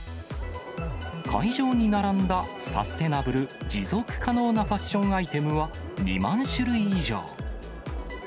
会場に並んだサステナブル・持続可能なファッションアイテムは２万種類以上。